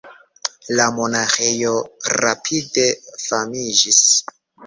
La monaĥejo rapide famiĝis.